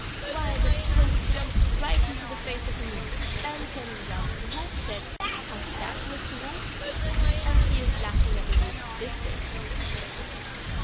"Why, the toad jumped right onto the face of the moon, and, turning round to the wolf, said: 'How's that, Mr. Wolf?' And she is laughing at the wolf to this day."